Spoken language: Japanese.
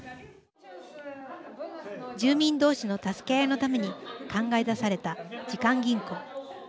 住民どうしの助け合いのために考え出された時間銀行。